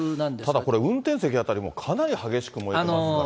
ただこれ、運転席辺りもかなり激しく燃えていますから。